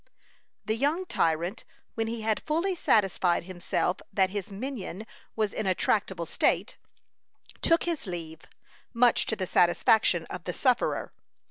The young tyrant, when he had fully satisfied himself that his minion was in a tractable state, took his leave, much to the satisfaction of the sufferer.